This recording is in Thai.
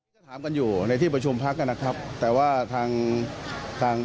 หมายความว่าคือคือคือคือคือคือคือคือคือ